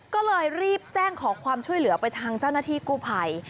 ก็เลยรีบแจ้งขอความช่วยเหลือไปทางเจ้าหน้าที่กู้ภัย